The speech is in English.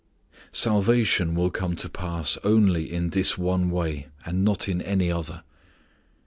Salvation will come to pass only in this one way and not in any other.